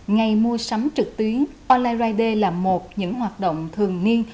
ngày mua sắm trực tuyến online d là một những hoạt động thường niên